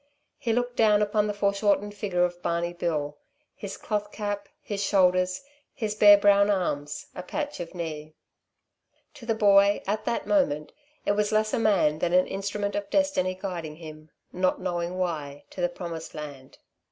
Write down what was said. He looked down upon the foreshortened figure of Barney Bill, his cloth cap, his shoulders, his bare brown arms, a patch of knee. To the boy, at that moment, he was less a man than an instrument of Destiny guiding him, not knowing why, to the Promised Land.